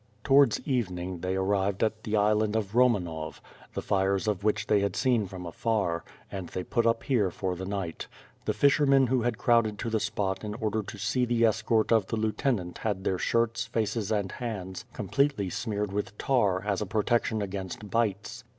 Towards evening, they arrived at the island of Romanov, the fires of which they had seen from afar, and they put up here for the night. The fishermen who had crowded to the spot in order to see the escort of the lieutenant had their shirts, faces, and hands completely smeared with tar, as a protection against bites.